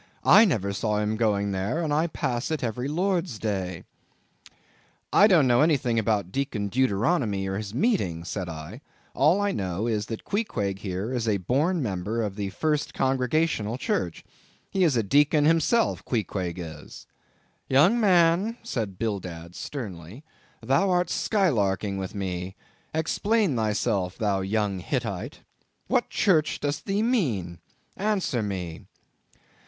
I never saw him going there, and I pass it every Lord's day." "I don't know anything about Deacon Deuteronomy or his meeting," said I; "all I know is, that Queequeg here is a born member of the First Congregational Church. He is a deacon himself, Queequeg is." "Young man," said Bildad sternly, "thou art skylarking with me—explain thyself, thou young Hittite. What church dost thee mean? answer me."